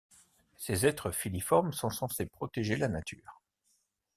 Ces êtres filiformes sont censés protéger la nature.